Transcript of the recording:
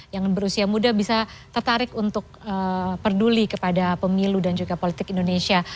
yang berusia muda bisa tertarik untuk peduli kepada pemilu dan juga politik indonesia